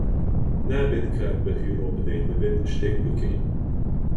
نابێت کات بەفیڕۆ بدەین - دەبێت شتێک بکەین!